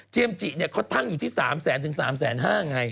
เจมส์จิเนี่ยเขาตั้งอยู่ที่สามแสนถึงสามแสนห้าไง